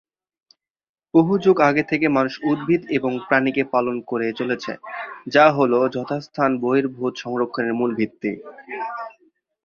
বহু যুগ আগে থেকে মানুষ উদ্ভিদ এবং প্রাণীকে পালন করে চলেছে যা হল যথাস্থান-বহির্ভূত সংরক্ষণের মূল ভিত্তি।